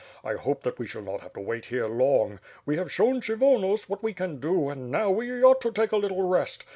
I hope that we shall not have to wait here long. We have shown Kshyvonos what we can do and now we ought to take a little rest.